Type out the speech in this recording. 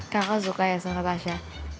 kakak suka ya sama tasha